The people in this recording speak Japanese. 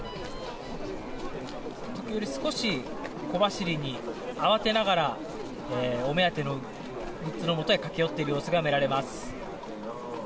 少し小走りに慌てながらお目当てのグッズのもとへ駆け寄っている様子が見られます。